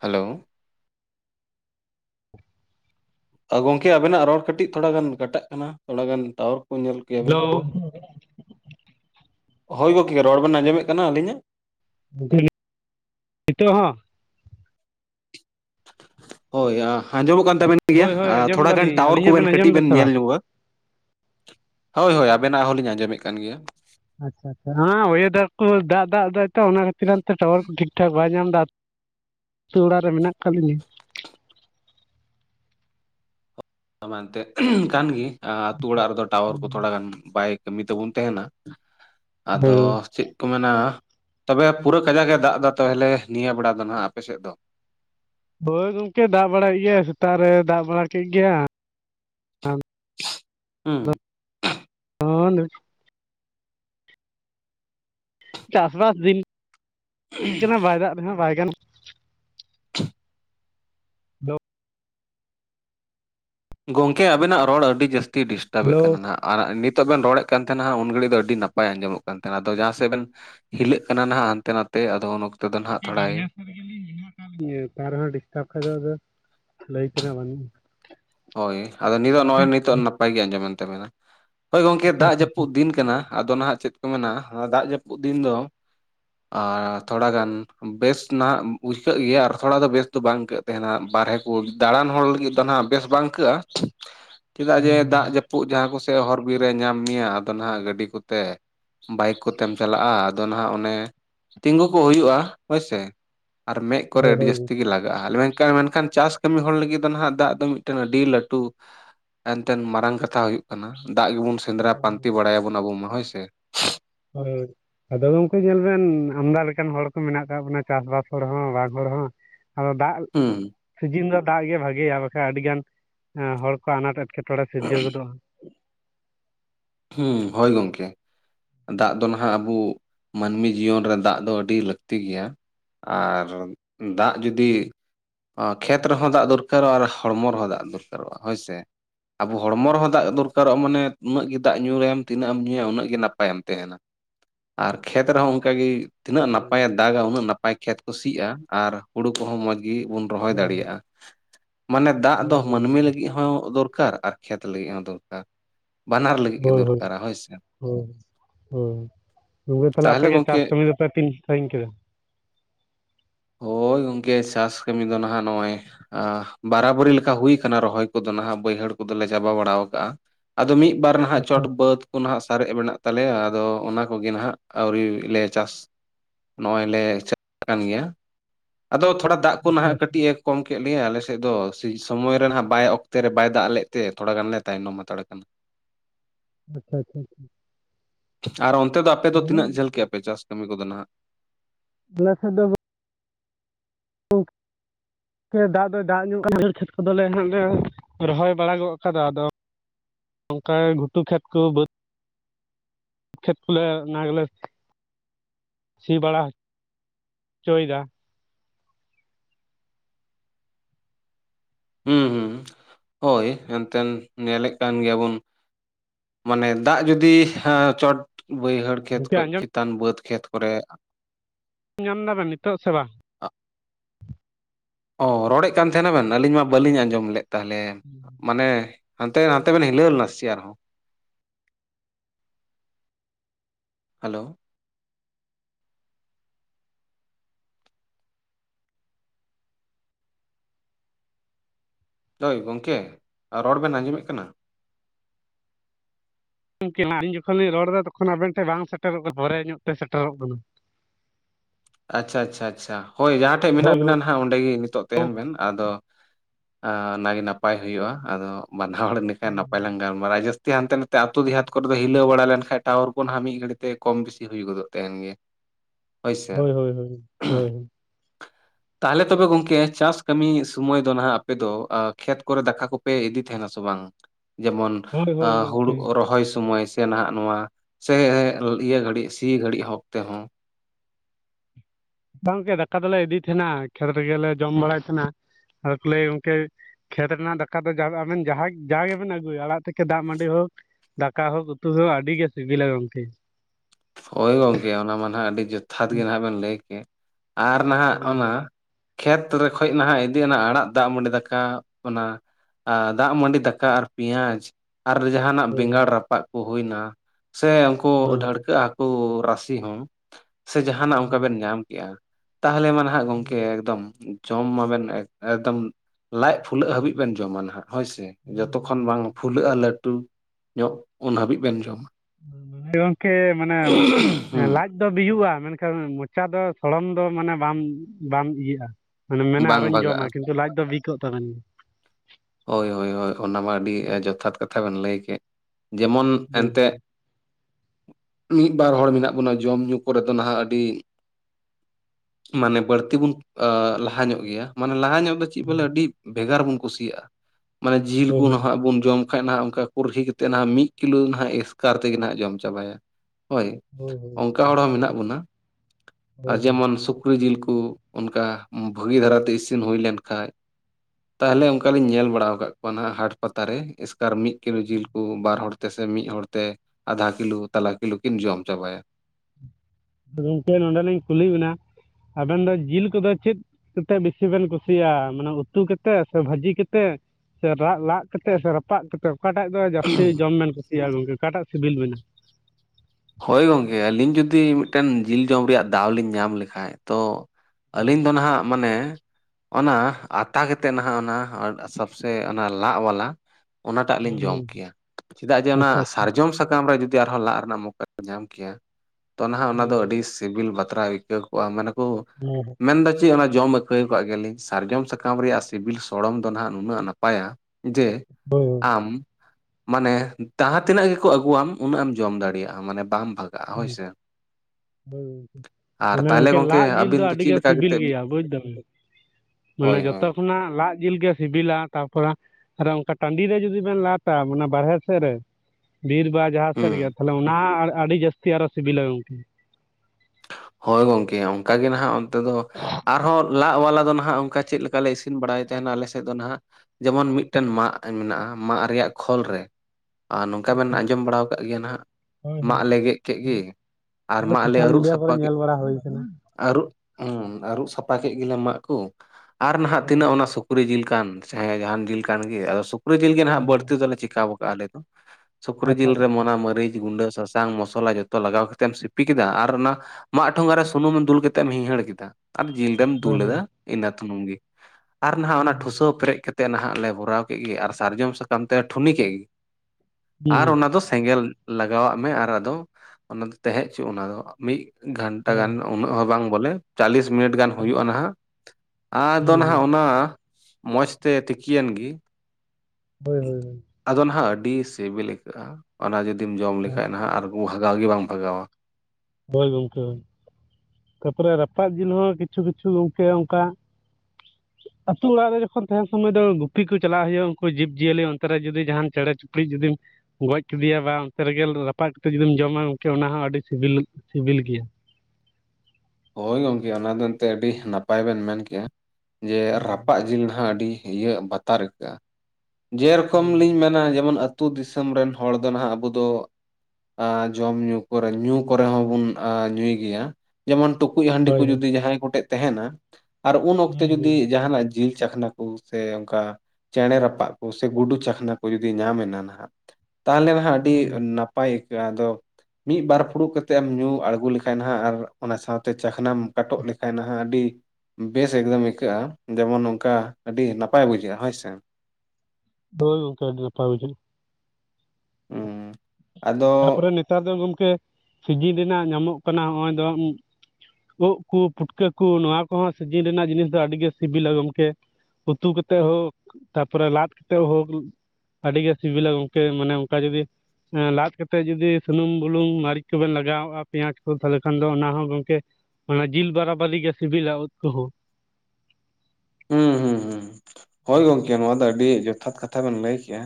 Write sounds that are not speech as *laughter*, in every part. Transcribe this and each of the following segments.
Hello *inaudible* ᱜᱚᱝᱠᱮ ᱟᱵᱮᱱᱟᱜ ᱨᱚᱲ ᱠᱟᱹᱴᱤᱡ ᱛᱷᱚᱲᱟ ᱜᱟᱱ ᱠᱟᱴᱟᱜ ᱠᱟᱱᱟ ᱛᱷᱚᱲᱟ ᱜᱟᱱ ᱴᱟᱣᱟᱨ ᱧᱮᱞ ᱠᱮᱭᱟ ᱵᱮᱱ ᱦᱮᱞᱳ ᱦᱳᱭ ᱜᱚᱝᱠᱮ ᱨᱚᱲ ᱵᱮᱱ ᱟᱸᱡᱚᱢᱮᱜ ᱠᱟᱱᱟ ᱟᱹᱞᱤᱧᱟᱜ *unintelligible* ᱱᱤᱛᱚᱜ ᱦᱚᱸ ᱦᱳᱭ ᱟᱸᱡᱚᱢᱚᱜ ᱠᱟᱱ ᱛᱟᱵᱮᱱ ᱜᱮᱭᱟ ᱦᱳᱭ ᱦᱳᱭ ᱟᱸᱡᱚᱢ ᱛᱷᱚᱲᱟ ᱜᱟᱱ ᱫᱟᱞᱤᱧ ᱴᱟᱣᱟᱨ ᱟᱹᱞᱤᱧᱟᱜ ᱠᱚᱵᱮᱱ ᱟᱸᱡᱚᱢ ᱠᱟᱹᱴᱤᱡ ᱵᱮᱱ ᱫᱟᱥᱮ ᱧᱮᱞ ᱵᱟᱝ ᱧᱚᱜᱟ ᱦᱳᱭ ᱦᱳᱭ ᱟᱵᱮᱱᱟᱜ ᱦᱚᱸ ᱞᱤᱧ ᱟᱸᱡᱚᱢᱮᱫ ᱠᱟᱱ ᱜᱮᱭᱟ ᱟᱪᱪᱷᱟ ᱟᱪᱪᱷᱟ ᱦᱮᱸ ᱳᱭᱮᱫᱟᱨ ᱠᱚ ᱫᱟᱜ ᱫᱟᱜ ᱫᱟᱭ ᱛᱚ ᱚᱱᱟ ᱠᱷᱟᱹᱛᱤᱨ ᱴᱟᱣᱟᱨ ᱠᱚ ᱴᱷᱤᱠ ᱴᱷᱟᱠ ᱵᱟᱭ ᱧᱟᱢ ᱮᱫᱟ ᱟᱹᱛᱳ ᱚᱲᱟᱜ ᱨᱮ ᱢᱮᱱᱟᱜ ᱟᱠᱟᱫ ᱞᱤᱧᱟ ᱢᱮᱱ ᱮᱱᱛᱮᱫ ᱠᱟᱱ ᱜᱮ ᱟᱹᱛᱳ ᱚᱲᱟᱜ ᱨᱮᱫᱚ ᱴᱟᱣᱟᱨ ᱠᱚ ᱛᱷᱚᱲᱟ ᱜᱟᱱ ᱵᱟᱭ ᱠᱟᱹᱢᱤ ᱛᱟᱵᱚᱱ ᱛᱟᱦᱮᱱᱟ ᱟᱫᱚ ᱦᱳᱭ ᱪᱮᱫ ᱠᱚ ᱢᱮᱱᱟ ᱛᱚᱵᱮ ᱯᱩᱨᱟᱹ ᱠᱟᱡᱟᱠ ᱜᱮ ᱫᱟᱜ ᱮᱫᱟ ᱛᱚᱦᱞᱮ ᱱᱤᱭᱟᱹ ᱵᱮᱲᱟ ᱫᱚ ᱱᱷᱟᱜ ᱟᱯᱮ ᱥᱮᱫ ᱫᱚ ᱦᱳᱭ ᱜᱚᱝᱠᱮ ᱫᱟᱜ ᱵᱟᱲᱟᱭᱮᱫ ᱜᱮᱭᱟᱭ ᱥᱮᱛᱟᱜ ᱨᱮᱭ ᱫᱟᱜ ᱵᱟᱲᱟ ᱠᱮᱫ ᱜᱮᱭᱟ ᱦᱩᱸ ᱦᱮᱸ ᱪᱟᱥᱵᱟᱥ ᱫᱤᱱ ᱠᱟᱱᱟ ᱵᱟᱭ ᱫᱟᱜ ᱨᱮᱦᱚᱸ ᱵᱟᱭ ᱜᱟᱱᱚᱜᱼᱟ ᱾ ᱜᱟᱱᱚᱜ ᱜᱚᱝᱠᱮ ᱟᱵᱤᱱᱟᱜ ᱨᱚᱲ ᱟᱹᱰᱤ ᱡᱟᱹᱥᱛᱤ ᱰᱤᱥᱴᱟᱵᱮᱫ ᱦᱮᱞᱳ ᱠᱟᱱᱟ ᱱᱟᱸᱜ ᱟᱨ ᱱᱤᱛᱚᱜ ᱵᱮᱱ ᱨᱚᱲᱮᱫ ᱠᱟᱱ ᱛᱟᱦᱮᱱᱟ ᱩᱱ ᱜᱷᱟᱹᱲᱤᱡ ᱫᱚ ᱟᱹᱰᱤ ᱱᱟᱯᱟᱭ ᱟᱸᱡᱚᱢᱚᱜ ᱠᱟᱱ ᱛᱟᱦᱮᱱᱟ ᱟᱫᱚ ᱡᱟᱦᱟᱸ ᱥᱮᱫ ᱵᱮᱱ ᱦᱤᱞᱟᱹᱜ ᱠᱟᱱᱟ ᱱᱟᱦᱟᱜ ᱦᱟᱱᱛᱮ ᱱᱟᱛᱮ ᱟᱫᱚ ᱫᱚ ᱱᱟᱦᱟᱜ ᱛᱷᱚᱲᱟᱭ ᱵᱟᱨᱭᱟ ᱨᱮᱦᱚᱸ ᱰᱤᱥᱴᱟᱵ ᱠᱷᱟᱡᱽ ᱫᱚ ᱞᱟᱹᱭ ᱛᱮᱱᱟᱜ ᱵᱟᱹᱱᱩᱜ - ᱟ ᱾ ᱦᱳᱭ ᱟᱫᱚ ᱱᱤᱛᱚᱜ ᱱᱚᱜᱼᱚᱭ ᱱᱤᱛᱚᱜ ᱱᱟᱯᱟᱭ ᱜᱮ ᱟᱸᱡᱚᱢᱮᱱ ᱛᱟᱵᱮᱱᱟ ᱦᱳᱭ ᱜᱚᱝᱠᱮ ᱟᱪᱪᱷᱟ ᱫᱟᱜ ᱟᱪᱪᱷᱟ ᱟᱪᱪᱷᱟ, ᱡᱟᱹᱯᱩᱫ ᱫᱤᱱ ᱟᱫᱚ ᱱᱟᱦᱟᱜ ᱪᱮᱫ ᱠᱚ ᱢᱮᱱᱟ ᱫᱟᱜ ᱡᱟᱹᱯᱩᱫ ᱫᱤᱱ ᱫᱚ ᱟᱨ ᱛᱷᱚᱲᱟ ᱜᱟᱱ ᱵᱮᱥ ᱱᱟᱦᱟᱜ ᱟᱹᱭᱠᱟᱹᱜ ᱜᱮᱭᱟ ᱟᱨ ᱛᱷᱚᱲᱟ ᱫᱚ ᱵᱮᱥ ᱫᱚ ᱵᱟᱝ ᱟᱹᱭᱠᱟᱹᱜ ᱛᱟᱦᱮᱱᱟ ᱵᱟᱨᱦᱮ ᱠᱚ ᱫᱟᱬᱟᱱ ᱦᱚᱲ ᱞᱟᱹᱜᱤᱫ ᱫᱚ ᱱᱟᱜ ᱵᱮᱥ ᱵᱟᱝ ᱟᱹᱭᱠᱟᱹᱜᱼᱟ ᱪᱮᱫᱟᱜ ᱡᱮ ᱫᱟᱜ ᱡᱟᱹᱯᱩᱫ ᱡᱟᱹᱯᱩᱫ ᱡᱟᱦᱟᱸ ᱠᱚᱥᱮᱫ ᱦᱚᱨ ᱵᱤᱨ ᱮ ᱧᱟᱢ ᱢᱮᱭᱟ ᱟᱫᱚ ᱦᱟᱸᱜ ᱜᱟᱹᱰᱤ ᱠᱚᱛᱮ ᱵᱟᱭᱤᱠ ᱠᱚᱛᱮᱢ ᱪᱟᱞᱟᱜᱼᱟ ᱟᱫᱚ ᱱᱟᱦᱟᱜ ᱚᱱᱮ ᱛᱤᱸᱜᱩ ᱠᱚ ᱦᱩᱭᱩᱜᱼᱟ ᱦᱳᱭᱥᱮ ᱟᱨ ᱢᱮᱸᱫ ᱠᱚᱨᱮ ᱦᱳᱭ ᱦᱳᱭ ᱟᱹᱰᱤ ᱦᱳᱭ ᱡᱟᱹᱥᱛᱤ ᱜᱮ ᱞᱟᱜᱟᱜᱼᱟ ᱢᱮᱱᱠᱷᱟᱱ ᱢᱮᱱᱠᱷᱟᱱ ᱪᱟᱥ ᱠᱟᱹᱢᱤ ᱦᱚᱲ ᱞᱟᱹᱜᱤᱫ ᱫᱚ ᱦᱟᱸᱜ ᱫᱟᱜ ᱫᱚ ᱢᱤᱫᱴ ᱢᱤᱫᱴᱮᱱ ᱟᱹᱰᱤ ᱞᱟᱹᱴᱩ ᱮᱱᱛᱮᱱ ᱢᱟᱨᱟᱝ ᱠᱟᱛᱷᱟ ᱦᱩᱭᱩᱜ ᱠᱟᱱᱟ ᱫᱟᱜ ᱜᱮᱵᱩᱱ ᱥᱮᱸᱫᱽᱨᱟ ᱦᱳᱭ᱾ ᱯᱟᱱᱛᱮ ᱵᱟᱲᱟᱭᱟᱵᱚᱱ ᱟᱵᱚᱢᱟ ᱦᱚᱭ ᱥᱮ ᱦᱳᱭ ᱟᱫᱚ ᱜᱚᱝᱠᱮ ᱧᱮᱞ ᱵᱮᱱ ᱟᱢᱫᱟ ᱞᱮᱠᱟᱱ ᱦᱚᱲ ᱠᱚ ᱢᱮᱱᱟᱜ ᱟᱠᱟᱫ ᱵᱚᱱᱟ ᱪᱟᱥ ᱵᱟᱥ ᱦᱚᱲᱦᱚᱸ ᱵᱟᱝ ᱦᱚᱲ ᱦᱚᱸ ᱟᱫᱚ ᱫᱟᱜ ᱦᱮᱸ ᱥᱤᱡᱤᱱ ᱫᱚ ᱫᱟᱜ ᱜᱮ ᱵᱷᱟᱜᱮᱭᱟ ᱵᱟᱠᱷᱟᱱ ᱟᱹᱰᱤ ᱜᱟᱱ ᱦᱚᱲ ᱠᱚ ᱟᱱᱟᱴ ᱮᱸᱴᱠᱮᱴᱚᱬᱮ ᱥᱤᱨᱡᱟᱹ ᱜᱚᱫᱚᱜᱼᱟ ᱾ ᱦᱩᱸ ᱦᱳᱭ ᱜᱚᱝᱠᱮ ᱫᱟᱜ ᱫᱚ ᱱᱟᱦᱟᱜ ᱟᱵᱚ ᱢᱟᱹᱱᱢᱤ ᱡᱤᱭᱚᱱ ᱨᱮ ᱫᱟᱜ ᱫᱚ ᱟᱹᱰᱤ ᱞᱟᱹᱠᱛᱤ ᱜᱮᱭᱟ ᱟᱨ ᱫᱟᱜ ᱡᱩᱫᱤ ᱠᱷᱮᱛ ᱨᱮᱦᱚᱸ ᱫᱟᱜ ᱫᱚᱨᱠᱟᱨᱚᱜᱼᱟ ᱟᱨ ᱦᱚᱲᱢᱚ ᱨᱮᱦᱚᱸ ᱫᱟᱜ ᱫᱚᱨᱠᱟᱨᱚᱜᱼᱟ ᱦᱳᱭ ᱥᱮ ᱾ ᱟᱵᱚ ᱦᱚᱲᱢᱚ ᱨᱮᱦᱚᱸ ᱫᱟᱜ ᱫᱚᱨᱠᱟᱨᱚᱜᱼᱟ ᱢᱟᱱᱮ ᱩᱱᱟᱹᱜ ᱫᱟᱜ ᱧᱩ ᱨᱮᱢ ᱛᱤᱱᱟᱹᱜ ᱮᱢ ᱧᱩᱭᱟ ᱩᱱᱟᱹᱜ ᱜᱮ ᱱᱟᱯᱟᱭᱮᱟᱢ ᱛᱟᱦᱮᱱᱟ ᱟᱨ ᱠᱷᱮᱛ ᱨᱮᱦᱚᱸ ᱚᱱᱠᱟᱜᱮ ᱛᱤᱱᱟᱹᱜ ᱦᱳᱭ ᱦᱳᱭ ᱱᱟᱯᱟᱭᱮ ᱫᱟᱜᱟ ᱩᱱᱟᱹᱜ ᱱᱟᱯᱟᱭ ᱠᱷᱮᱛ ᱠᱚ ᱥᱤᱜᱼᱟ ᱟᱨ ᱦᱩᱲᱩ ᱠᱚᱦᱚᱸ ᱢᱚᱸᱡᱽ ᱜᱮᱵᱚᱱ ᱨᱚᱦᱚᱭ ᱫᱟᱲᱮᱭᱟᱜᱼᱟ ᱾ ᱢᱟᱱᱮ ᱫᱟᱜ ᱫᱚ ᱦᱳᱭ ᱦᱳᱭ ᱢᱟᱹᱱᱢᱤ ᱜᱚᱢᱠᱮ ᱞᱟᱹᱜᱤᱫ ᱦᱚᱸ ᱫᱚᱨᱠᱟᱨ ᱟᱨ ᱠᱷᱮᱛ ᱞᱟᱹᱜᱤᱫ ᱦᱚᱸ ᱫᱚᱨᱠᱟᱨ ᱵᱟᱱᱟᱨ ᱞᱟᱹᱜᱤᱫ ᱫᱚᱨᱠᱟᱨ ᱦᱳᱭ ᱥᱮ ᱦᱩᱸ ᱦᱩᱸ ᱜᱚᱢᱠᱮ ᱛᱟᱦᱚᱞᱮ ᱟᱯᱮ ᱜᱮ ᱪᱟᱥ ᱠᱟᱹᱢᱤ ᱫᱚᱯᱮ ᱥᱟᱹᱜᱤᱧ ᱠᱮᱫᱟ ᱾ ᱦᱳᱭ ᱜᱚᱝᱠᱮ ᱪᱟᱥ ᱠᱟᱹᱢᱤ ᱫᱚ ᱱᱟᱦᱟᱜ ᱱᱚᱜᱼᱚᱭ ᱵᱟᱨᱟᱵᱟᱹᱨᱤ ᱞᱮᱠᱟ ᱦᱩᱭ ᱟᱠᱟᱱᱟ ᱨᱚᱦᱚᱭ ᱠᱚᱫᱚ ᱱᱟᱦᱟᱜ ᱵᱟᱹᱭᱦᱟᱹᱲ ᱠᱚᱫᱚᱞᱮ ᱪᱟᱵᱟ ᱵᱟᱲᱟ ᱠᱟᱜᱼᱟ ᱾ ᱟᱫᱚ ᱢᱤᱫᱵᱟᱨ ᱱᱟᱦᱟᱜ ᱪᱚᱴ ᱟᱪᱪᱷᱟ ᱵᱟᱹᱫᱽ ᱠᱚ ᱱᱟᱦᱟᱜ ᱥᱟᱨᱮᱡ ᱢᱮᱱᱟᱜ ᱛᱟᱞᱮᱭᱟ ᱟᱫᱚ ᱚᱱᱟ ᱠᱚᱜᱮ ᱱᱟᱦᱟᱜ ᱟᱹᱣᱨᱤ ᱞᱮ ᱪᱟᱥ ᱱᱚᱜᱼᱚᱭ ᱞᱮ *inaudible* ᱠᱟᱱ ᱜᱮᱭᱟ ᱟᱫᱚ ᱛᱷᱚᱲᱟ ᱫᱟᱜ ᱠᱚ ᱟᱪᱪᱷᱟ ᱱᱟᱦᱟᱜ ᱟᱪᱪᱷᱟ ᱠᱟᱹᱴᱤᱡ ᱠᱚᱢ ᱠᱮᱫ ᱞᱮᱭᱟ ᱟᱞᱮᱥᱮᱫ ᱫᱚ ᱥᱚᱢᱚᱭ ᱨᱮ ᱦᱟᱜ ᱵᱟᱭ ᱚᱠᱛᱮ ᱨᱮ ᱵᱟᱭ ᱫᱟᱜ ᱞᱮᱫ ᱛᱮ ᱛᱷᱚᱲᱟ ᱜᱟᱱ ᱞᱮ ᱛᱟᱭᱱᱚᱢ ᱦᱟᱛᱟᱲ ᱟᱠᱟᱱᱟ ᱾ ᱟᱪᱪᱷᱟ ᱟᱪᱪᱷᱟ ᱟᱪᱪᱷᱟ ᱟᱨ ᱚᱱᱛᱮ ᱫᱚ ᱟᱯᱮ ᱫᱚ ᱛᱤᱱᱟᱹᱜ ᱡᱷᱟᱹᱞ ᱠᱮᱜ-ᱟ ᱯᱮ ᱪᱟᱥ ᱠᱟᱹᱢᱤ ᱠᱚᱫᱚ ᱱᱟᱦᱟᱜ ᱟᱞᱮ ᱥᱮᱫ ᱫᱚ ᱵᱟᱝ *unintelligible* ᱫᱟᱜ ᱫᱚᱭ ᱫᱟᱜ ᱧᱚᱜ ᱠᱟᱫᱟ ᱵᱟᱹᱭᱦᱟᱲ ᱠᱷᱮᱛ ᱠᱚᱫᱚᱞᱮ ᱦᱟᱜ ᱞᱮ ᱨᱚᱦᱚᱭ ᱵᱟᱲᱟ ᱜᱚᱫ ᱟᱠᱟᱫᱟ᱾ ᱟᱫᱚ ᱚᱱᱠᱟ ᱜᱷᱩᱴᱩ ᱠᱷᱮᱛ ᱠᱚ ᱵᱟᱹᱫᱽ ᱠᱷᱮᱛ ᱠᱚᱞᱮ ᱚᱱᱟ ᱜᱮᱞᱮ ᱥᱤ ᱵᱟᱲᱟ ᱦᱚᱪᱚᱭᱮᱫᱟ ᱾ ᱦᱩᱸ ᱦᱩᱸ ᱦᱳᱭ ᱮᱱᱛᱮᱱ ᱧᱮᱞᱮᱫ ᱠᱟᱱ ᱜᱮᱭᱟᱵᱚᱱ ᱢᱟᱱᱮ ᱫᱟᱜ ᱡᱩᱫᱤ ᱪᱚᱴ ᱵᱟᱹᱭᱦᱟᱹᱲ ᱠᱷᱮᱛ ᱜᱚᱝᱠᱮ ᱠᱷᱚᱡᱽ ᱟᱸᱡᱚᱢ ᱪᱮᱛᱟᱱ ᱵᱟᱹᱫᱽ ᱠᱷᱮᱛ ᱠᱚᱨᱮ ᱟᱡᱚᱢ ᱧᱟᱢ ᱮᱫᱟ ᱵᱮᱱ ᱱᱤᱛᱚᱜ ᱥᱮ ᱵᱟᱝ ᱚ ᱨᱚᱲᱮᱫ ᱠᱟᱱ ᱛᱟᱦᱮᱱᱟ ᱵᱮᱱ ᱟᱹᱞᱤᱧ ᱢᱟ ᱵᱟᱹᱞᱤᱧ ᱟᱸᱡᱚᱢ ᱞᱮᱫ ᱛᱟᱦᱚᱞᱮ ᱢᱟᱱᱮ ᱦᱟᱱᱛᱮ ᱱᱟᱱᱛᱮ ᱵᱮᱱ ᱦᱤᱞᱟᱹᱣ ᱞᱮᱱᱟ ᱥᱮ ᱪᱮᱫ ᱟᱨᱦᱚᱸ ᱦᱮᱞᱳ ᱦᱳᱭ ᱜᱚᱝᱠᱮ ᱨᱚᱲ ᱵᱮᱱ ᱟᱸᱡᱚᱢᱮᱫ ᱠᱟᱱᱟ᱾ ᱤᱧ ᱡᱚᱠᱷᱚᱱᱤᱧ ᱨᱚᱲ ᱮᱫᱟ ᱛᱚᱠᱷᱚᱱ ᱟᱵᱮᱱ ᱴᱷᱮᱱ ᱵᱟᱝ ᱥᱮᱴᱮᱨᱚᱜ ᱠᱟᱱᱟ ᱯᱚᱨᱮ ᱧᱚᱜ ᱛᱮ ᱥᱮᱴᱮᱨᱚᱜ ᱠᱟᱱᱟ ᱟᱪᱪᱷᱟ ᱟᱪᱪᱷᱟ ᱟᱪᱪᱷᱟ ᱦᱳᱭ ᱡᱟᱦᱟᱸ ᱴᱷᱮᱱ ᱢᱮᱱᱟᱜ ᱦᱳᱭ ᱦᱳᱭ ᱵᱮᱱᱟ ᱱᱟᱦᱟᱜ ᱚᱸᱰᱮ ᱜᱮ ᱱᱤᱛᱚᱜ ᱛᱟᱦᱮᱱ ᱵᱮᱱ ᱟᱫᱚ ᱚᱱᱟᱜᱮ ᱱᱟᱯᱟᱭ ᱦᱩᱭᱩᱜᱼᱟ, ᱟᱫᱚ ᱵᱟᱱᱟ ᱦᱚᱲ ᱞᱮᱠᱷᱟᱱ ᱱᱟᱯᱟᱭ ᱞᱟᱝ ᱜᱟᱞ ᱢᱟᱨᱟᱣ᱾ ᱡᱟᱹᱥᱛᱤ ᱦᱟᱱᱛᱮ ᱱᱟᱛᱮ ᱟ ᱟᱹᱛᱩ ᱫᱮᱭᱟᱛ ᱠᱚᱨᱮ ᱫᱚ ᱦᱤᱞᱟᱹᱣ ᱵᱟᱲᱟ ᱞᱮᱱᱠᱷᱟᱟᱱ ᱴᱟᱣᱟᱨ ᱠᱚ ᱱᱟᱜ ᱢᱤᱫ ᱜᱷᱟᱹᱲᱤᱡ ᱛᱮ ᱠᱚᱢ ᱵᱮᱥᱤ ᱦᱩᱭ ᱜᱚᱫᱚᱜ ᱛᱟᱦᱮᱱ ᱜᱮᱭᱟ᱾ *inaudible* ᱦᱳᱭ ᱦᱳᱭ ᱦᱳᱭ ᱦᱳᱭ *inaudible* ᱛᱟᱦᱚᱞᱮ ᱛᱚᱵᱮ ᱜᱚᱝᱠᱮ ᱪᱟᱥ ᱠᱟᱹᱢᱤ ᱥᱩᱢᱚᱭ ᱫᱚ ᱱᱟᱦᱟᱜ ᱟᱯᱮ ᱫᱚ ᱠᱷᱮᱛ ᱠᱚᱨᱮ ᱫᱟᱠᱟ ᱠᱚ ᱯᱮ ᱤᱫᱤ ᱛᱟᱦᱮᱱᱟ ᱥᱮ ᱵᱟᱝ ᱡᱮᱢᱚᱱ ᱦᱳᱭ ᱦᱳᱭ ᱦᱩᱲᱩ ᱜᱚᱝᱠᱮ ᱨᱚᱦᱚᱭ ᱥᱚᱢᱚᱭ ᱛᱮ ᱱᱟᱦᱟᱜ ᱱᱚᱣᱟ ᱥᱮ ᱤᱭᱟᱹ ᱜᱷᱟᱹᱲᱤᱡ ᱥᱤ ᱜᱷᱟᱹᱲᱤᱡ ᱚᱠᱛᱮ ᱦᱚᱸ ᱜᱚᱝᱠᱮ ᱫᱟᱠᱟ ᱫᱚᱞᱮ ᱤᱫᱤᱭ ᱛᱟᱦᱮᱱᱟ ᱠᱷᱮᱛ ᱨᱮᱜᱮᱞᱮ ᱡᱚᱢ ᱵᱟᱲᱟᱭ ᱛᱟᱦᱮᱱᱟ ᱟᱫᱚ ᱠᱚ ᱞᱟᱹᱭ ᱜᱚᱝᱠᱮ ᱠᱷᱮᱛ ᱨᱮᱱᱟᱜ ᱫᱟᱠᱟ ᱫᱚ ᱟᱵᱮᱱ ᱡᱟᱦᱟᱸ ᱜᱮᱵᱮᱱ ᱟᱹᱜᱩᱭᱟ ᱟᱲᱟᱜ ᱛᱮᱠᱮ ᱫᱟᱜ ᱢᱟᱹᱰᱤ ᱦᱳᱠ ᱫᱟᱠᱟ ᱦᱳᱜ ᱩᱛᱩᱦᱳ ᱟᱹᱰᱤ ᱜᱮ ᱥᱤᱵᱤᱞᱟ ᱜᱚᱢᱠᱮ᱾ ᱦᱳᱭ ᱜᱚᱢᱠᱮ ᱚᱱᱟ ᱢᱟ ᱱᱟᱜ ᱟᱹᱰᱤ ᱡᱚᱛᱷᱟᱛ ᱜᱮ ᱦᱟᱜ ᱵᱮᱱ ᱞᱟᱹᱭ ᱠᱮᱜ ᱟᱨ ᱱᱟᱦᱟᱜ ᱦᱳᱭ ᱚᱱᱟ ᱠᱷᱮᱛ ᱨᱮ ᱠᱷᱚᱡ ᱱᱟᱦᱟᱜ ᱤᱫᱤᱜ ᱚᱱᱟ ᱟᱲᱟᱜ ᱫᱟᱜ ᱢᱟᱹᱰᱤ ᱫᱟᱠᱟ ᱚᱱᱟ ᱟᱨ ᱫᱟᱜ ᱢᱟᱹᱰᱤ ᱫᱟᱠᱟ ᱟᱨ ᱯᱮᱸᱭᱟᱡᱽ ᱟᱨ ᱡᱟᱦᱟᱱᱟᱜ ᱦᱳᱭ ᱵᱮᱸᱜᱟᱲ ᱨᱟᱯᱟᱜ ᱠᱚ ᱦᱩᱭᱱᱟ ᱥᱮ ᱩᱱᱠᱩ ᱦᱳᱭ ᱰᱷᱟᱹᱲᱠᱟᱹᱜ ᱦᱟᱠ ᱠᱩ ᱨᱟᱥᱤ ᱦᱚᱸ ᱥᱮ ᱡᱟᱦᱟᱱᱟᱜ ᱚᱱᱠᱟ ᱦᱳᱭ ᱵᱮᱱ ᱧᱟᱢ ᱠᱮᱜᱼᱟ ᱛᱟᱦᱚᱞᱮ ᱢᱟᱱᱮ ᱱᱟᱜ ᱦᱳᱭ ᱜᱚᱝᱠᱮ ᱮᱠᱫᱚᱢ ᱡᱚᱢ ᱢᱟᱵᱮᱱ ᱮᱠᱫᱚᱢ ᱞᱟᱡ ᱯᱷᱩᱞᱟᱹᱜ ᱦᱟᱹᱵᱤᱡ ᱵᱮᱱ ᱡᱚᱢᱟ ᱱᱟᱦᱟᱜ ᱦᱳᱭ ᱥᱮ ᱦᱳᱭ ᱡᱚᱛᱚ ᱠᱷᱚᱱ ᱦᱳᱭ ᱵᱟᱝ ᱯᱷᱩᱞᱟᱹᱜᱼᱟ ᱞᱟᱹᱴᱩ ᱧᱚᱜ ᱩᱱ ᱦᱟᱹᱵᱤᱡ ᱵᱮᱱ ᱡᱚᱢᱟ ᱦᱳᱭ ᱜᱚᱝᱠᱮ ᱢᱟᱱᱮ ᱦᱩᱸ ᱞᱟᱡ ᱫᱚ ᱵᱤᱭᱩᱜᱼᱟ ᱢᱮᱱᱠᱷᱟᱱ ᱢᱚᱪᱟ ᱫᱚ ᱥᱚᱲᱚᱢ ᱫᱚ ᱢᱟᱱᱮ ᱵᱟᱢ ᱵᱟᱢ ᱤᱭᱟᱹᱜᱼᱟ ᱢᱟᱱᱮ ᱢᱮᱱᱟ ᱵᱟᱝ ᱟᱨᱚᱧ ᱡᱚᱢᱟ ᱵᱷᱟᱜᱟᱜᱼᱟ ᱠᱤᱱᱛᱩ ᱞᱟᱡ ᱫᱚ ᱵᱤᱠᱚᱜ ᱛᱟᱵᱮᱱᱟ᱾ ᱦᱳᱭ ᱦᱳᱭ ᱦᱳᱭ ᱚᱱᱟ ᱢᱟ ᱟᱹᱰᱤ ᱡᱚᱛᱷᱟᱛ ᱠᱟᱛᱷᱟ ᱵᱮᱱ ᱞᱟᱹᱭ ᱠᱮᱫ ᱡᱮᱢᱚᱱ ᱜᱮᱭᱟ ᱮᱱᱛᱮᱜ ᱢᱤᱫ ᱵᱟᱨ ᱦᱚᱲ ᱢᱮᱱᱟᱜ ᱵᱚᱱᱟ ᱡᱚᱢ ᱧᱩ ᱠᱚᱨᱮ ᱫᱚ ᱱᱟᱦᱟᱜ ᱟᱹᱰᱤ ᱢᱟᱱᱮ ᱵᱟᱹᱲᱛᱤ ᱵᱚᱱ ᱞᱟᱦᱟ ᱧᱚᱜ ᱜᱮᱭᱟ ᱢᱟᱱᱮ ᱞᱟᱦᱟ ᱧᱚᱜ ᱫᱚ ᱪᱮᱫ ᱵᱚᱞᱮ ᱟᱹᱰᱤ ᱵᱷᱮᱜᱟᱨ ᱵᱚᱱ ᱠᱩᱥᱤᱭᱟᱜᱼᱟ ᱢᱟᱱᱮ ᱡᱤᱞ ᱦᱩᱸ ᱠᱚ ᱦᱩᱸ ᱱᱟᱦᱟᱜ ᱵᱚᱱ ᱡᱚᱢ ᱠᱷᱟᱱ ᱚᱱᱠᱟ ᱠᱩᱨᱦᱤ ᱠᱟᱛᱮᱫ ᱱᱟᱦᱟᱜ ᱢᱤᱫ ᱠᱤᱞᱳ ᱱᱟᱦᱟᱜ ᱮᱥᱠᱟᱨ ᱛᱮᱜᱮ ᱱᱟᱦᱟᱜ ᱡᱚᱢ ᱪᱟᱵᱟᱭᱟ ᱦᱳᱭ ᱦᱳᱭ ᱦᱳᱭ ᱦᱳᱭ ᱚᱱᱠᱟ ᱦᱚᱲ ᱦᱚᱸ ᱢᱮᱱᱟᱜ ᱵᱚᱱᱟ ᱟᱨ ᱦᱳᱭ ᱦᱳᱭ ᱡᱮᱢᱚᱱ ᱥᱩᱠ ᱥᱩᱠᱨᱤ ᱡᱤᱞ ᱠᱚ ᱚᱱᱠᱟ ᱵᱷᱟᱹᱜᱤ ᱫᱷᱟᱨᱟ ᱛᱮ ᱤᱥᱤᱱ ᱦᱩᱭ ᱞᱮᱱ ᱠᱷᱟᱱ ᱛᱟᱦᱚᱞᱮ ᱚᱱᱠᱟᱞᱤᱧ ᱧᱮᱞ ᱵᱟᱲᱟ ᱟᱠᱟᱫ ᱠᱚᱣᱟ ᱱᱟᱦᱟᱜ ᱦᱟᱰ ᱯᱟᱛᱟ ᱨᱮ ᱮᱥᱠᱟᱨ ᱢᱤᱫ ᱠᱤᱞᱳ ᱡᱤᱞ ᱠᱚ ᱵᱟᱨ ᱦᱚᱲ ᱛᱮᱥᱮ ᱢᱤᱫ ᱦᱚᱲ ᱛᱮ ᱟᱫᱷᱟ ᱠᱤᱞᱳ ᱛᱟᱞᱟ ᱠᱤᱞᱳ ᱠᱤᱱ ᱡᱚᱢ ᱪᱟᱵᱟᱭᱟ᱾ ᱜᱚᱢᱠᱮ ᱱᱚᱰᱮᱞᱤᱧ ᱠᱩᱞᱤᱭ ᱵᱮᱱᱟ ᱟᱵᱮᱱ ᱫᱚ ᱡᱤᱞ ᱠᱚᱫᱚ ᱪᱮᱫ ᱠᱟᱛᱮᱫ ᱵᱮᱥᱤ ᱵᱮᱱ ᱠᱩᱥᱤᱭᱟᱜᱼᱟ ᱢᱟᱱᱮ ᱩᱛᱩ ᱠᱟᱛᱮᱫ ᱥᱮ ᱵᱷᱟᱹᱡᱤ ᱠᱟᱛᱮᱫ ᱥᱮ ᱨᱟᱜ ᱞᱟᱜ ᱠᱟᱛᱮᱮᱫ ᱥᱮ ᱨᱟᱯᱟᱜ ᱠᱟᱛᱮᱜ ᱚᱠᱟᱴᱟᱜ ᱫᱚ ᱡᱟᱹᱥᱛᱤ ᱡᱚᱢ ᱵᱮᱱ ᱠᱩᱥᱤᱭᱟᱜᱼᱟ ᱜᱚᱝᱠᱮ ᱚᱠᱟᱴᱟᱜ ᱥᱤᱵᱤᱞ ᱵᱮᱱᱟ? ᱦᱳᱭ ᱜᱚᱝᱠᱮ ᱟᱹᱞᱤᱧ ᱡᱩᱫᱤ ᱢᱤᱫᱴᱮᱱ ᱡᱤᱞ ᱡᱚᱢ ᱨᱮᱭᱟᱜ ᱫᱟᱣ ᱞᱤᱧ ᱧᱟᱢ ᱞᱮᱠᱷᱟᱡ ᱛᱚ ᱦᱮᱸ ᱟᱹᱞᱤᱧ ᱫᱚ ᱱᱟᱜ ᱢᱟᱱᱮ ᱚᱱᱟ ᱟᱛᱟ ᱠᱟᱛᱮᱫ ᱱᱟᱦᱟᱜ ᱚᱱᱟ ᱥᱚᱵᱥᱮ ᱚᱱᱟ ᱞᱟᱜ ᱵᱟᱞᱟ ᱚᱱᱟᱴᱟᱜ ᱞᱤᱧ ᱦᱩᱸ ᱡᱚᱢ ᱦᱩᱸ ᱠᱮᱭᱟ ᱪᱮᱫᱟᱜ ᱡᱮ ᱚᱱᱟ ᱟᱪᱪᱷᱟ ᱟᱪᱪᱷᱟ ᱥᱟᱨᱡᱚᱢ ᱥᱟᱠᱟᱢ ᱨᱮ ᱡᱩᱫᱤ ᱟᱨᱦᱚᱸ ᱞᱟᱜ ᱨᱮᱱᱟᱜ ᱢᱚᱠᱟ ᱧᱟᱢ ᱠᱮᱭᱟ ᱛᱚ ᱱᱟᱦᱟᱜ ᱚᱱᱟ ᱫᱚ ᱦᱩᱸ ᱟᱹᱰᱤ ᱥᱤᱵᱤᱞ ᱵᱟᱛᱨᱟᱣ ᱟᱹᱭᱠᱟᱹᱣ ᱠᱚᱜᱼᱟ ᱢᱟᱱᱮ ᱠᱚ ᱦᱮᱸ ᱦᱮᱸ ᱢᱮᱱᱫᱚ ᱪᱮᱫ ᱚᱱᱟ ᱡᱚᱢ ᱟᱭᱠᱟᱣ ᱠᱟᱜ ᱜᱮᱞᱤᱧ ᱥᱟᱨᱡᱚᱢ ᱥᱟᱠᱟᱢ ᱨᱮᱭᱟᱜ ᱥᱤᱵᱤᱞ ᱥᱚᱲᱚᱢ ᱫᱚ ᱱᱟᱦᱜ ᱱᱩᱱᱟᱹᱜ ᱱᱟᱯᱟᱭᱟ ᱡᱮ ᱟᱢ ᱢᱟᱱᱮ ᱡᱟᱦᱟᱸ ᱛᱤᱱᱟᱹᱜ ᱜᱮᱠᱚ ᱟᱹᱜᱩᱣᱟᱢ ᱩᱱᱟᱹᱜ ᱮᱢ ᱡᱚᱢ ᱫᱟᱲᱮᱭᱟᱜᱼᱟ ᱢᱟᱱᱮ ᱵᱟᱢ ᱵᱷᱟᱜᱟᱜᱼᱟ ᱦᱳᱭ ᱥᱮ ᱦᱮᱸ ᱢᱟᱱᱮ ᱜᱚᱝᱠᱮ ᱞᱟᱫ ᱡᱤᱞ ᱟᱹᱵᱤᱱ ᱫᱚ ᱟᱹᱰᱤ ᱪᱮᱫ ᱜᱮᱮ ᱞᱮᱠᱟ ᱥᱤᱵᱤᱞ ᱠᱟᱛᱮᱫ ᱜᱮᱭᱟ ᱵᱩᱡᱫᱟᱢ ᱛᱚ ᱢᱟᱱᱮ ᱦᱳᱭ ᱡᱚᱛᱚ ᱦᱳᱭ ᱠᱷᱚᱱᱟᱜ ᱞᱟᱡ ᱡᱤᱞ ᱜᱮ ᱥᱤᱵᱤᱞᱟ ᱛᱟᱨᱯᱚᱨᱮ ᱚᱱᱠᱟ ᱴᱟᱺᱰᱤ ᱨᱮ ᱡᱩᱫᱤ ᱵᱮᱱ ᱞᱟᱛᱟ ᱚᱱᱟ ᱵᱟᱨᱦᱮ ᱥᱮᱫ ᱨᱮ ᱵᱤᱨ ᱵᱟ ᱡᱟᱦᱟᱸ ᱥᱮᱫ ᱜᱮ ᱦᱩᱸ ᱛᱟᱦᱞᱮ ᱚᱱᱟ ᱟᱹᱰᱤ ᱡᱟᱹᱥᱛᱤ ᱟᱨᱚ ᱥᱤᱵᱤᱞᱟ ᱜᱚᱝᱠᱮ᱾ ᱦᱳᱭ ᱜᱚᱝᱠᱮ ᱚᱝᱠᱟ ᱜᱮ ᱱᱟᱜ ᱚᱱᱛᱮ ᱫᱚ ᱟᱨᱦᱚ ᱞᱟᱜ ᱣᱟᱞᱟ ᱫᱚ ᱱᱷᱟᱜ ᱚᱝᱠᱟ ᱪᱮᱫ ᱞᱮᱠᱟᱞᱮ ᱤᱥᱤᱱ ᱵᱟᱲᱟᱭᱮᱫ ᱛᱟᱦᱮᱱᱟ ᱟᱞᱮ ᱥᱮᱫ ᱫᱚ ᱱᱷᱟᱜ ᱡᱮᱢᱚᱱ ᱢᱤᱫᱴᱮᱱ ᱢᱟᱜ ᱢᱮᱱᱟᱜᱼᱟ ᱢᱟᱫ ᱨᱮᱭᱟᱜ ᱠᱷᱚᱞ ᱨᱮ ᱟᱨ ᱱᱚᱝᱠᱟ ᱵᱮᱱ ᱟᱸᱡᱚᱢ ᱵᱟᱲᱟᱣ ᱠᱟᱜ ᱜᱮᱭᱟ ᱜᱮᱭᱟ ᱱᱟᱜ ᱦᱳᱭ ᱦᱳᱭ ᱢᱟᱜ ᱞᱮ ᱜᱮᱜ ᱠᱮᱜ ᱜᱮ ᱟᱨ ᱢᱟᱜ ᱞᱮ ᱟᱹᱨᱩᱜ ᱥᱟᱠ ᱚ ᱧᱮᱞ ᱵᱟᱲᱟ ᱦᱩᱭ ᱠᱟᱱᱟ᱾ ᱟᱹᱨᱩᱜ ᱩᱸ- ᱟᱹᱨᱩᱜ ᱥᱟᱯᱟ ᱠᱮᱜ ᱜᱮᱞᱮ ᱢᱟᱜ ᱠᱩ ᱟᱨ ᱱᱷᱟᱦᱟᱜ ᱦᱮᱸ ᱛᱤᱱᱟᱹᱜ ᱚᱱᱟ ᱥᱩᱠ ᱥᱩᱠᱨᱤ ᱡᱤᱞ ᱠᱟᱱ ᱥᱮᱸ ᱡᱟᱦᱟᱱ ᱡᱤᱞ ᱠᱟᱱ ᱜᱮ ᱟᱫᱚ ᱥᱩᱠᱨᱤ ᱡᱤᱞ ᱜᱮ ᱱᱷᱟᱜ ᱦᱮᱸ ᱵᱟᱹᱲᱛᱤ ᱫᱚᱞᱮ ᱪᱮᱠᱟᱣ ᱵᱟᱠᱟᱜᱼᱟ ᱟᱞᱮ ᱫᱚ ᱥᱩᱠᱨᱤ ᱟᱪᱪᱷᱟ ᱡᱤᱞ ᱨᱮᱢ ᱚᱱᱟ ᱢᱟᱹᱨᱤᱪ ᱜᱩᱸᱰᱟᱹ ᱥᱟᱥᱟᱝ ᱢᱚᱥᱞᱟ ᱡᱚᱛᱚ ᱞᱟᱜᱟᱣ ᱠᱟᱛᱮᱢ ᱥᱤᱯᱤ ᱠᱮᱫᱟ ᱟᱨ ᱚᱱᱟ ᱢᱟᱜ ᱴᱷᱚᱸᱜᱟ ᱨᱮ ᱥᱩᱱᱩᱢ ᱮᱢ ᱫᱩᱞ ᱠᱟᱛᱮᱜ ᱦᱤᱦᱟᱺᱲ ᱠᱮᱫᱟ ᱟᱨ ᱡᱤᱞ ᱨᱮᱢ ᱫᱩᱞ ᱦᱮᱸ ᱦᱮᱸ ᱞᱮᱫᱟ ᱦᱩᱸ ᱤᱱᱟᱹ ᱛᱩᱱᱩᱢ ᱜᱮ ᱟᱨ ᱱᱟᱦᱟᱜ ᱚᱱᱟ ᱦᱩᱸ ᱴᱷᱩᱥᱟᱹᱣ ᱯᱮᱨᱮᱜ ᱠᱟᱛᱮᱜ ᱱᱟᱦᱟᱜ ᱞᱮ ᱵᱷᱚᱨᱟᱣ ᱠᱮᱜ ᱜᱮ, ᱟᱨ ᱥᱟᱨᱡᱚᱢ ᱥᱟᱠᱟᱢ ᱛᱮ ᱴᱷᱩᱱᱤ ᱠᱮᱭ ᱟᱨ ᱚᱱᱟ ᱫᱚ ᱥᱮᱸᱜᱮᱞ ᱞᱟᱜᱟᱣᱟᱜ ᱢᱮ ᱟᱨ ᱟᱫᱚ, ᱚᱱᱟ ᱫᱚ ᱛᱮᱦᱮᱜ ᱦᱚᱪᱚᱜ ᱚᱱᱟ ᱫᱚ ᱢᱤᱜ ᱜᱷᱟᱱᱴᱟ ᱜᱟᱱ ᱦᱩᱸ ᱩᱱᱟᱹᱜ ᱦᱚᱸ ᱵᱟᱝ ᱵᱚᱞᱮ ᱪᱟᱞᱤᱥ ᱢᱤᱱᱤᱴ ᱜᱟᱱ ᱦᱩᱭᱩᱜᱼᱟ ᱱᱷᱟᱦᱟᱜ ᱟᱻᱫᱚ ᱦᱩᱸ ᱱᱷᱟᱦᱟᱜ ᱦᱩᱸ ᱚᱱᱟᱻ ᱢᱚᱸᱡᱽ ᱛᱮ ᱛᱤᱠᱤᱭᱮᱱ ᱜᱤ ᱦᱳᱭ ᱦᱳᱭ ᱦᱳᱭ ᱟᱫᱚ ᱱᱷᱟᱜ ᱟᱹᱰᱰᱤ ᱥᱤᱵᱤᱞ ᱟᱹᱭᱠᱟᱹᱜᱼᱟ ᱚᱱᱟ ᱡᱩᱫᱤᱢ ᱡᱚᱢ ᱞᱮᱠᱷᱟᱡ ᱱᱷᱟᱜ ᱟᱨ ᱦᱩᱸ ᱵᱷᱟᱜᱟᱣ ᱜᱮ ᱵᱟᱝ ᱵᱷᱟᱜᱟᱣᱟ ᱦᱳᱭ ᱜᱚᱝᱠᱮ ᱦᱳᱭ ᱛᱟᱯᱚᱨᱮ ᱨᱟᱯᱟᱜ ᱡᱤᱞ ᱦᱚᱸ ᱠᱤᱪᱷᱩ - ᱠᱤᱪᱷᱩ ᱜᱚᱝᱠᱮ ᱚᱝᱠᱟ *inaudible* ᱟᱹᱛᱩ ᱚᱲᱟᱜ ᱨᱮ ᱡᱚᱠᱷᱚᱱ ᱛᱟᱦᱮᱱ ᱥᱚᱢᱚᱭ ᱫᱚ ᱜᱩᱯᱤ ᱠᱚ ᱪᱟᱞᱟᱜ ᱦᱩᱭᱩᱜᱼᱟ ᱩᱱᱠᱩ ᱡᱤᱵᱽ - ᱡᱤᱭᱟᱹᱞᱤ ᱚᱱᱛᱮ ᱨᱮ ᱡᱩᱫᱤ ᱡᱟᱦᱟᱱ ᱪᱮᱬᱮ ᱪᱩᱯᱲᱤᱜ ᱡᱩᱫᱤᱢ ᱜᱚᱡ ᱠᱮᱫᱮᱭᱟ ᱵᱟ ᱚᱱᱛᱮ ᱨᱮᱜᱮᱞ ᱨᱟᱯᱟᱜ ᱠᱟᱛᱮ ᱡᱩᱫᱤᱢ ᱡᱚᱢᱟ ᱚᱱᱟᱦᱚᱸ ᱟᱹᱰᱤ ᱥᱤᱵᱤᱞᱤ - ᱥᱤᱵᱤᱞ ᱜᱮᱭᱟ ᱦᱳᱭ ᱜᱚᱝᱠᱮ ᱚᱱᱟᱫᱚ ᱮᱱᱛᱮ ᱟᱹᱰᱤᱷ ᱱᱟᱯᱟᱭ ᱵᱮᱱ ᱢᱮᱱ ᱠᱮᱜᱼᱟ ᱡᱮ ᱦᱩᱸ ᱨᱟᱯᱟᱜ ᱡᱤᱞ ᱱᱷᱟᱜ ᱟᱰᱤ ᱤᱭᱟᱹᱜ ᱵᱟᱛᱟᱨᱮᱠᱠᱟ ᱡᱮᱨᱚᱠᱚᱢ ᱦᱩᱸ ᱞᱤᱧ ᱢᱮᱱᱟ ᱡᱮᱢᱚᱱ ᱟᱛᱩ ᱛᱩ ᱫᱤᱥᱚᱢ ᱨᱮᱱ ᱦᱚᱲ ᱫᱚ ᱱᱟᱦᱟᱜ ᱟᱵᱚ ᱫᱚ ᱟ ᱡᱚᱢ ᱧᱩ ᱠᱚᱨᱮ ᱧᱩ ᱠᱚᱨᱮ ᱧᱩ ᱠᱚᱨᱮ ᱦᱚᱸᱵᱩᱱ ᱧᱩᱭ ᱜᱮᱭᱟ᱾ ᱡᱮᱢᱚᱱ ᱴᱩᱠᱩᱡ ᱦᱟᱸᱰᱤ ᱠᱚ ᱦᱳᱭ ᱦᱳᱭ ᱡᱩᱫᱤ ᱡᱟᱦᱟᱸᱭ ᱠᱚᱴᱮᱫ ᱛᱟᱦᱮᱱᱟ ᱟᱨ ᱩᱱ ᱚᱠᱛᱮ ᱦᱩᱸ ᱡᱩᱫᱤ ᱦᱩᱸ ᱡᱟᱦᱟᱱᱟᱜ ᱡᱤᱞ ᱪᱟᱠᱷᱱᱟ ᱩ ᱥᱮ ᱚᱱᱠᱟ ᱪᱮᱬᱮ ᱨᱟᱯᱟᱜ ᱠᱩ ᱥᱮ ᱜᱩᱰᱩ ᱪᱟᱠᱷᱱᱟ ᱠᱚ ᱡᱩᱫᱤ ᱧᱟᱢᱮᱱᱟ ᱱᱟᱦᱟᱜ ᱛᱟᱦᱚᱞᱮ *unintelligible* ᱰᱤᱜ ᱦᱩᱸ ᱱᱟᱯᱟᱭ ᱟᱹᱭᱠᱟᱹᱜᱼᱟ ᱟᱫᱚ ᱢᱤᱜ ᱵᱟᱨ ᱯᱷᱩᱲᱩᱜ ᱠᱟᱛᱮᱜ ᱮᱢ ᱧᱩ ᱟᱲᱜᱩ ᱞᱮᱠᱷᱟᱭ ᱱᱷᱟᱜ ᱟᱨ ᱚᱱᱟ ᱥᱟᱶᱛᱮ ᱪᱟᱠᱷᱱᱟᱢ ᱠᱟᱴᱚᱜ ᱞᱮᱠᱷᱟᱭ ᱟᱰᱤ ᱵᱮᱥ ᱮᱠᱫᱚᱢ ᱟᱹᱭᱠᱟᱹᱜᱼᱟ ᱡᱮᱢᱚᱱ ᱱᱚᱝᱠᱟ ᱟᱹᱰᱤ ᱱᱟᱯᱟᱭ ᱵᱩᱡᱷᱟᱹᱜ-ᱟ ᱦᱚᱭ ᱥᱮ ᱫᱚ ᱦᱳᱭ ᱜᱚᱝᱠᱮ ᱟᱰᱤ ᱱᱟᱯᱟᱭ ᱵᱩᱡᱷᱟᱹᱜ-ᱟ ᱩᱸ ᱛᱟᱨᱯᱚᱨᱮ ᱱᱮᱛᱟᱨ ᱫᱚ ᱜᱚᱢᱠᱮ ᱥᱤᱡᱤᱱ ᱨᱮᱱᱟᱜ ᱧᱟᱢᱚᱜ ᱠᱟᱱᱟ ᱦᱚᱸᱜ-ᱚᱭ ᱫᱚ ᱳᱫ ᱠᱩ ᱯᱩᱴᱠᱟᱹ ᱠᱩ ᱱᱚᱣᱟ ᱠᱚᱦᱚᱸ ᱥᱤᱡᱤᱱ ᱨᱮᱱᱟᱜ ᱡᱤᱱᱤᱥ ᱫᱚ ᱟᱰᱤ ᱜᱮ ᱥᱤᱵᱤᱞᱟ ᱜᱚᱢᱠᱮ ᱩᱛᱩ ᱠᱮᱛᱮᱜ ᱦᱳᱠ ᱛᱟᱨᱯᱚᱨᱮ ᱞᱟᱫ ᱠᱮᱛᱮᱜ ᱦᱳᱠ ᱟᱰᱤ ᱜᱮ ᱥᱤᱵᱤᱞᱟ ᱜᱚᱝᱠᱮ ᱢᱟᱱᱮ ᱚᱝᱠᱟ ᱡᱩᱚᱫᱤ ᱮᱸ ᱞᱟᱫ ᱠᱟ ᱛᱮ ᱡᱩᱫᱤ ᱥᱩᱱᱩᱢ, ᱵᱩᱞᱩᱝ, ᱢᱟᱹᱨᱤᱪ ᱠᱚᱵᱮᱱ ᱞᱟᱜᱟᱣᱜᱼᱟ ᱯᱮᱸᱭᱟᱡᱽ ᱠᱚ ᱛᱟᱦᱞᱮ ᱠᱷᱟᱱ ᱫᱚ ᱚᱱᱟ ᱦᱚᱸ ᱜᱚᱝᱠᱮ ᱚᱱᱟ ᱡᱤᱞ ᱵᱟᱨᱟᱵᱟᱹᱨᱤ ᱜᱮ ᱥᱤᱵᱤᱞᱟ ᱩᱫ ᱠᱚᱦᱚᱸ *inaudible* ᱦᱩᱸ ᱦᱩᱸ ᱦᱩᱸ ᱦᱳᱭ ᱜᱚᱝᱠᱮ ᱱᱚᱣᱟ ᱫᱚ ᱟᱹᱰᱤ ᱡᱚᱛᱷᱟᱛ ᱠᱟᱛᱷᱟ ᱵᱮᱱ ᱞᱟᱹᱭ ᱠᱮᱜᱼᱟ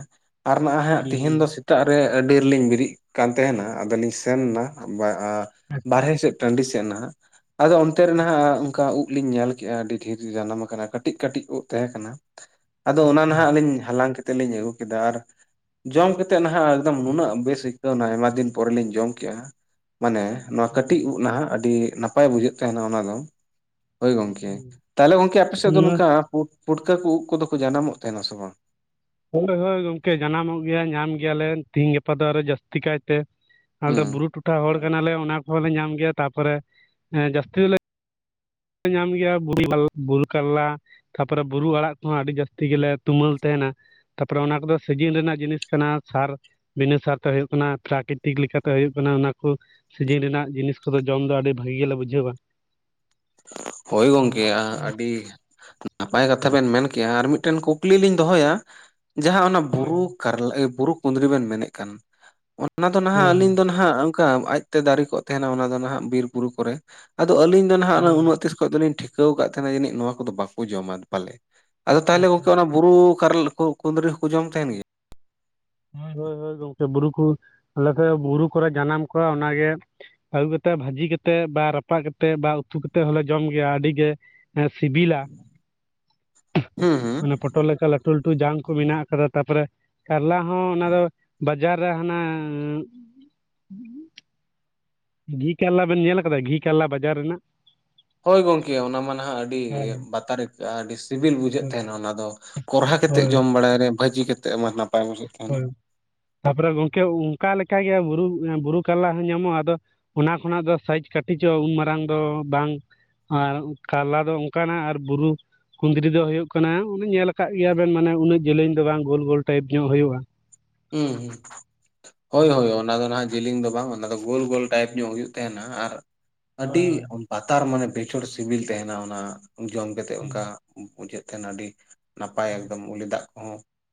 ᱟᱨ ᱱᱟ ᱦᱟᱸᱜ ᱦᱩᱸ ᱛᱤᱦᱮᱧ ᱦᱩᱸ ᱫᱚ ᱥᱮ ᱛᱟᱜ ᱨᱮ ᱟᱹᱰᱤ ᱨᱮᱞᱤᱧ ᱵᱤᱨᱤᱜ ᱠᱟᱱ ᱛᱮᱦᱮᱱᱟ ᱟᱫᱚᱞᱤᱧ ᱥᱮᱱᱟ ᱟᱪᱪᱷᱟ ᱵᱟᱨᱦᱮ ᱥᱮᱫ ᱴᱟᱺᱰᱤ ᱥᱮᱫ ᱱᱟᱦᱟᱜ ᱟᱫᱚ ᱚᱱᱛᱮ ᱨᱮ ᱟᱪᱪᱷᱟ ᱱᱟᱦᱟᱜ ᱚᱱᱠᱟ ᱩᱫ ᱞᱤᱧ ᱧᱮᱞ ᱠᱮᱫᱼᱟ ᱟᱹᱰᱤ ᱰᱷᱤᱨ ᱜᱤ ᱡᱟᱱᱟᱢ ᱟᱠᱟᱱᱟ ᱠᱟᱹᱴᱤᱡ ᱠᱟᱹᱴᱤᱡ ᱩᱫ ᱛᱟᱦᱮᱸ ᱠᱟᱱᱟ ᱟᱫᱚ ᱚᱱᱟ ᱟᱪᱪᱷᱟ ᱱᱟᱦᱟᱜ ᱞᱤᱧ ᱦᱟᱞᱟᱝ ᱠᱮᱛᱮ ᱞᱤᱧ ᱟᱹᱜᱩ ᱠᱮᱫᱟ ᱟᱨ ᱡᱚᱢ ᱠᱮᱛᱮᱜ ᱱᱟᱦᱟᱜ ᱮᱠᱫᱚᱢ ᱱᱩᱱᱟᱹᱜ ᱵᱮᱥ ᱟᱹᱭᱠᱟᱹᱣ ᱱᱟ ᱟᱭᱢᱟ ᱫᱤᱱ ᱯᱚᱨᱮᱞᱤᱧ ᱡᱚᱢ ᱠᱮᱜᱼᱟ, ᱢᱟᱱᱮ ᱱᱚᱣᱟ ᱦᱳᱭ ᱠᱟᱹᱴᱤᱡ ᱩ ᱱᱷᱟᱦᱟᱜ ᱟᱰᱤ ᱱᱟᱯᱟᱭ ᱵᱩᱡᱷᱟᱹᱜ ᱛᱟᱦᱮᱱᱟ ᱚᱱᱟ ᱫᱚ ᱦᱳᱭ ᱜᱚᱝᱠᱮ, ᱦᱳᱭ ᱛᱟᱦᱞᱮ ᱜᱚᱝᱠᱮ ᱟᱯᱮ ᱥᱮᱫ ᱦᱩᱸ ᱫᱚ ᱱᱚᱣᱟ ᱱᱚᱝᱠᱟ ᱯᱩᱴᱠᱟᱹ ᱠᱚ ᱩᱫ ᱠᱚᱫᱚ ᱠᱚ ᱡᱟᱱᱟᱢᱚᱜ ᱛᱟᱦᱮᱱᱟ ᱥᱮ ᱵᱟᱝ ᱦᱳᱭ ᱦᱳᱭ ᱜᱚᱝᱠᱮ ᱡᱟᱱᱟᱢᱚᱜ ᱜᱮᱭᱟ ᱧᱟᱢ ᱜᱮᱭᱟᱞᱮ ᱛᱤᱦᱤᱧ ᱜᱟᱯᱟ ᱫᱚ ᱟᱨᱚ ᱡᱟᱹᱥᱛᱤ ᱠᱟᱭᱛᱮ ᱟᱞᱮ ᱫᱚ ᱦᱩᱸ ᱵᱩᱨᱩ ᱴᱚᱴᱷᱟ ᱦᱚᱲ ᱠᱟᱱᱟᱞᱮ ᱚᱱᱟ ᱠᱚᱦᱚᱸᱞᱮ ᱧᱟᱢ ᱜᱮᱭᱟ ᱛᱟᱯᱚᱨᱮ, ᱡᱟᱹᱥᱛᱤ ᱫᱚᱞᱮ ᱧᱟᱢ ᱜᱮᱭᱟ ᱵᱩᱨᱩ ᱠᱟᱨᱞᱟ ᱛᱟᱯᱚᱨᱮ ᱵᱩᱨᱩ ᱟᱲᱟᱜ ᱠᱚᱦᱚᱸ ᱟᱹᱰᱤ ᱡᱟᱹᱥᱛᱤ ᱜᱮᱞᱮ ᱛᱩᱢᱟᱹᱞ ᱛᱟᱦᱮᱱᱟ ᱛᱟᱯᱚᱨᱮ ᱚᱱᱟ ᱠᱚᱫᱚ ᱥᱤᱡᱤᱱ ᱨᱮᱱᱟᱜ ᱡᱤᱱᱤᱥ ᱠᱟᱱᱟ ᱥᱟᱨ ᱵᱤᱱᱟᱹ ᱥᱟᱨᱛᱮ ᱦᱩᱭᱩᱜ ᱠᱟᱱᱟ ᱯᱨᱟᱠᱨᱤᱛᱤᱠ ᱞᱮᱠᱟᱛᱮ ᱦᱩᱭᱩᱜ ᱠᱟᱱᱟ ᱚᱱᱟ ᱠᱚ ᱥᱤᱡᱤᱱ ᱨᱮᱱᱟᱜ ᱡᱤᱱᱤᱥ ᱠᱚᱫᱚ ᱡᱚᱢ ᱫᱚ ᱟᱹᱰᱤ ᱵᱷᱟᱹᱜᱤ ᱜᱮᱞᱮ ᱵᱩᱡᱷᱟᱹᱣᱟ ᱦᱳᱭ ᱜᱚᱝᱠᱮ ᱟᱹᱰᱤ ᱱᱟᱯᱟᱭ ᱠᱟᱛᱷᱟ ᱵᱮᱱ ᱢᱮᱱ ᱠᱮᱜ-ᱟ ᱟᱨ ᱢᱤᱫᱴᱮᱱ ᱠᱩᱠᱞᱤ ᱞᱤᱧ ᱫᱚᱦᱚᱭᱟ ᱡᱟᱦᱟᱸ ᱚᱱᱟ ᱦᱳᱭ ᱵᱩᱨᱩ ᱠᱟᱨᱞᱟ ᱮᱜ ᱵᱩᱨᱩ ᱠᱩᱸᱫᱽᱨᱤ ᱵᱮᱱ ᱢᱮᱱᱮᱫ ᱠᱟᱱ ᱚᱱᱟ ᱫᱚ ᱱᱟᱦᱟᱜ ᱦᱩᱸ ᱟᱞᱤᱧ ᱫᱚ ᱱᱟ ᱦᱟᱸᱜ ᱚᱱᱠᱟ ᱟᱡᱛᱮ ᱫᱟᱨᱮ ᱠᱚᱜ ᱛᱟᱦᱮᱱᱟ ᱚᱱᱟ ᱫᱚ ᱱᱟᱦᱟᱜ ᱵᱤᱨ ᱵᱩᱨᱩ ᱠᱚᱨᱮ ᱟᱫᱚ ᱟᱹᱞᱤᱧ ᱫᱚ ᱱᱟᱦᱟᱜ ᱚᱱᱟ ᱦᱩᱸ ᱩᱱᱟᱹᱜ ᱛᱤᱥ ᱠᱷᱚᱡ ᱫᱚᱞᱤᱧ ᱴᱷᱤᱠᱟᱹᱣ ᱠᱟᱜ ᱛᱟᱦᱮᱸᱱᱟ ᱡᱟᱹᱱᱤᱡ ᱱᱚᱣᱟ ᱠᱚᱫᱚ ᱵᱟᱠᱚ ᱡᱚᱢᱟ ᱯᱟᱞᱮ ᱟᱫᱚ ᱛᱟᱦᱚᱞᱮ ᱟᱪᱪᱷᱟ ᱜᱚᱝᱠᱮ ᱵᱩᱨᱩ ᱠᱟᱨᱞᱟ ᱠᱚ ᱠᱩᱸᱫᱽᱨᱤ ᱦᱚᱸᱠᱚ ᱡᱚᱢ ᱛᱟᱦᱮᱱ ᱜᱮᱭᱟ ᱦᱳᱭ ᱦᱳᱭ ᱜᱚᱝᱠᱮ ᱵᱩᱨᱩ ᱠᱚ ᱟᱞᱮ ᱵᱩᱨᱩ ᱠᱚᱨᱮ ᱡᱟᱱᱟᱢ ᱠᱚᱣᱟ ᱚᱱᱟᱜᱮ ᱟᱹᱜᱩ ᱠᱟᱛᱮᱫ ᱵᱷᱟᱹᱡᱤ ᱠᱟᱛᱮᱫ ᱵᱟ ᱨᱟᱯᱟᱜ ᱠᱟᱛᱮᱜ ᱵᱟ ᱩᱛᱩ ᱠᱟᱛᱮᱫ ᱦᱚᱞᱮ ᱡᱚᱢ ᱜᱮᱭᱟ ᱟᱹᱰᱤ ᱜᱮ ᱥᱤᱵᱤᱞᱟ, ᱦᱩᱸ ᱦᱩᱸ ᱢᱟᱱᱮ ᱯᱚᱴᱚᱞ ᱞᱮᱠᱟ ᱞᱟᱴᱩ ᱞᱟᱹᱴᱩ ᱡᱟᱝ ᱠᱚ ᱢᱮᱱᱟᱜ ᱟᱠᱟᱫᱟ ᱛᱟᱯᱚᱨᱮ ᱠᱟᱨᱞᱟ ᱦᱚᱸ ᱚᱱᱟ ᱫᱚ ᱵᱟ ᱡᱟᱨ ᱨᱮ ᱦᱟᱱᱟ ᱜᱷᱤ ᱠᱟᱨᱞᱟ ᱵᱮᱱ ᱧᱮᱞ ᱟᱠᱟᱫᱟ ᱜᱷᱤ ᱠᱟᱨᱞᱟ ᱵᱟᱡᱟᱨ ᱨᱮᱱᱟᱜ ᱦᱳᱭ ᱜᱚᱝᱠᱮ ᱚᱱᱟ ᱢᱟ ᱱᱟᱦᱟᱜ ᱟᱹᱰᱤ ᱦᱮᱸ ᱦᱮᱸ ᱵᱟᱛᱟᱨ ᱟᱹᱭᱠᱟᱹ ᱟᱹᱰᱤ ᱥᱤᱵᱤᱞ ᱵᱩᱡᱷᱟᱹᱜ ᱦᱳᱭ ᱛᱟᱦᱮᱱᱟ ᱚᱱᱟ ᱫᱚ ᱠᱚᱨᱦᱟ ᱠᱟᱛᱮᱫ ᱦᱳᱭ ᱡᱚᱢ ᱵᱟᱲᱟᱭ ᱟᱞᱮ ᱵᱷᱟᱹᱡᱤ ᱠᱟᱛᱮᱫ ᱢᱟ ᱱᱟᱯᱟᱭ ᱵᱩᱡᱷᱟᱹᱜ ᱛᱟᱦᱮᱱᱟ ᱦᱳᱭ ᱛᱟᱯᱚᱨᱮ ᱜᱚᱝᱠᱮ ᱚᱱᱠᱟ ᱞᱮᱠᱟᱜᱮ ᱵᱩᱨᱩ ᱠᱟᱨᱞᱟ ᱦᱚᱸ ᱧᱟᱢᱚᱜᱼᱟ ᱟᱫᱚ ᱚᱱᱟ ᱠᱷᱚᱱᱟᱜ ᱫᱚ ᱥᱟᱭᱤᱡ ᱠᱟᱹᱴᱤᱡᱤᱡᱚᱜᱼᱟ ᱩᱱᱢᱟᱝ ᱫᱚ ᱵᱟᱝ ᱟᱨ ᱠᱟᱨᱞᱟ ᱫᱚ ᱚᱱᱠᱟᱱᱟᱜ ᱟᱨ ᱵᱩᱨᱩ ᱠᱷᱩᱫᱽᱨᱤ ᱫᱚ ᱦᱩᱭᱩᱜ ᱠᱟᱱᱟ ᱚᱱᱮ ᱧᱮᱞ ᱟᱠᱟᱫ ᱜᱮᱭᱟ ᱵᱮᱱ ᱢᱟᱱᱮ ᱩᱱᱟᱹᱜ ᱡᱮᱞᱮᱧ ᱫᱚ ᱵᱟᱝ ᱜᱳᱞ ᱜᱳᱞ ᱴᱟᱭᱤᱯ ᱧᱚᱜ ᱦᱩᱭᱩᱜᱼᱟ *inaudible* ᱦᱩᱸ ᱦᱩᱸ, ᱦᱳᱭ ᱦᱳᱭ ᱚᱱᱟ ᱫᱚ ᱱᱟᱦᱟᱜ ᱡᱮᱞᱤᱝ ᱫᱚ ᱵᱟᱝ ᱚᱱᱟ ᱫᱚ ᱜᱳᱞ ᱜᱳᱞ ᱴᱟᱭᱤᱯ ᱧᱚᱜ ᱦᱩᱭᱩᱜ ᱛᱟᱦᱮᱱᱟ ᱟᱨ ᱦᱳᱭ ᱟᱹᱰᱤ ᱵᱟᱛᱟᱨ ᱢᱟᱱᱮ ᱵᱮᱪᱷᱚᱨ ᱥᱤᱵᱤᱞ ᱛᱟᱦᱮᱱᱟ ᱚᱱᱟ ᱡᱚᱢ ᱠᱟᱛᱮᱫ ᱚᱱᱠᱟ ᱵᱩᱡᱟᱹᱜ ᱛᱟᱦᱮᱱᱟ ᱟᱹᱰᱤ ᱱᱟᱯᱟᱭ ᱦᱳᱭ ᱮᱠᱫᱚᱢ ᱩᱞᱤ ᱫᱟᱜ ᱠᱚᱦᱚᱸ